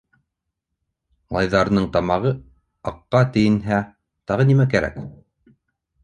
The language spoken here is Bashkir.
Малайҙарының тамағы аҡҡа тейенһә, тағы нимә кәрәк?